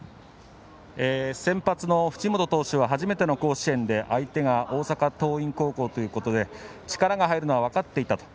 先発の淵本投手は初めての甲子園で相手が大阪桐蔭高校ということで力が入るのは分かっていた。